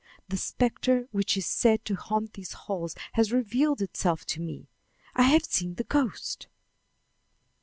The specter which is said to haunt these walls has revealed itself to me. I have seen the ghost."